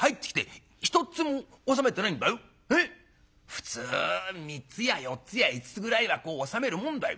普通３つや４つや５つぐらいはこう納めるもんだよ。